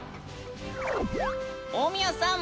大宮さん